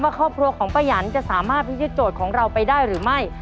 ครอบครัวของป้ายันจะสามารถพิธีโจทย์ของเราไปได้หรือไม่